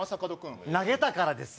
投げたからですよ。